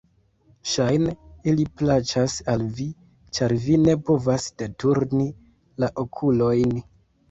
Ŝajne, ili plaĉas al vi, ĉar vi ne povas deturni la okulojn!